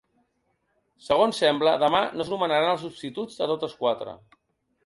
Segons sembla demà no es nomenaran els substituts de totes quatre.